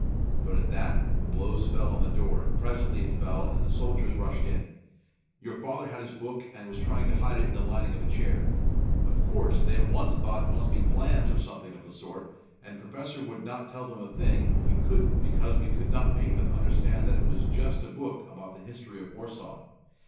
"But at that, blows fell on the door and presently it fell and the soldiers rushed in. Your father had his book and was trying to hide it in the lining of a chair. Of course they at once thought it must be plans or something of the sort, and Professor would not tell them a thing and we couldn't because we could not make them understand that it was just a book about the history of Warsaw.